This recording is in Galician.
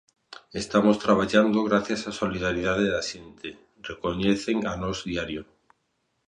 "Estamos traballando grazas á solidariedade da xente", recoñecen a Nós Diario.